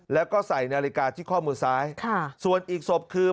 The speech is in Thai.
แล้วก็ใส่นาฬิกาที่ข้อมือซ้ายค่ะส่วนอีกศพคือ